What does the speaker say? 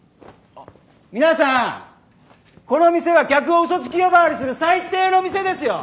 皆さんこの店は客をウソつき呼ばわりする最低の店ですよ！